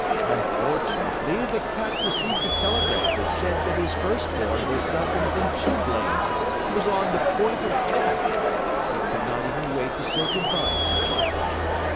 "Unfortunately the Cat received a telegram which said that his first born was suffering from chilblains and was on the point of death. He could not even wait to say good by to you."